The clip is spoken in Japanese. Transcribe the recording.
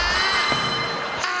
ああ！